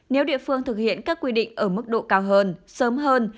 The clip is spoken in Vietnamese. nếu địa phương thực hiện các quy định ở mức độ cao hơn sớm hơn